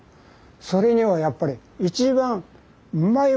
それにはやっぱり一番うまいものを食べる。